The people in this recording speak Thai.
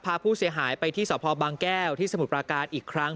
พาผู้เสียหายไปที่สพบางแก้วที่สมุทรปราการอีกครั้ง